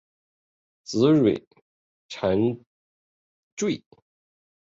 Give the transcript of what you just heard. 紫蕊蚤缀